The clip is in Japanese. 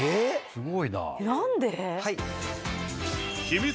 すごいな。